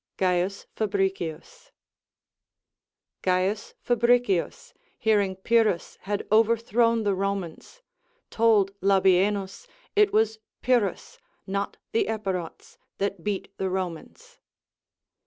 AND GREAT COMMANDERS. 227 C. Fabricius. C. Fabricius, hearing Pyrrhus had over thrown the Romans, told Labienus, it was Pyi rhus, not the Epirots, that beat the Romans.